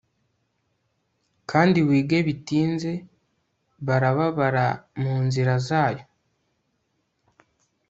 Kandi wige bitinze barababara munzira zayo